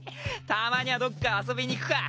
たまにゃどっか遊びに行くか。